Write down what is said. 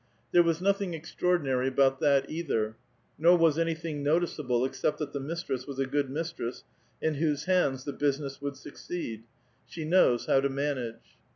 The was nothing extraordinary about that either, nor was anything noticeable excei)t that the mistress was a good mistress, in whose hands the business would succeed ; she knows how to manage.